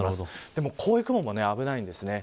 でも、こういった雲も危ないです。